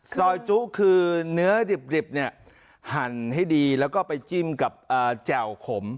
ซอยจุคือเนื้อดิบเนี่ยหั่นให้ดีแล้วก็ไปจิ้มกับแจ่วขม